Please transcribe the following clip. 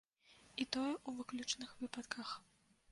І тое ў выключных выпадках.